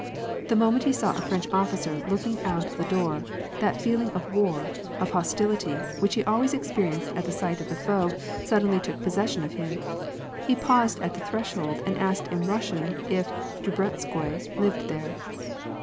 The moment he saw a French officer looking out of the door, that feeling of war, of hostility, which he always experienced at sight of the foe, suddenly took i>ossession of him. He paused at the threshold, and asked in Eussian if Drubetskoi lived there.